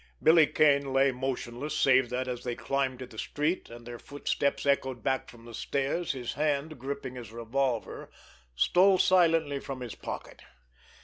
Billy Kane lay motionless, save that, as they climbed to the street and their footsteps echoed back from the stairs, his hand, gripping his revolver, stole silently from his pocket.